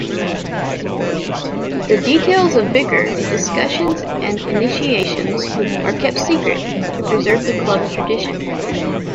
The details of bicker, discussions and initiations are kept secret to preserve club tradition.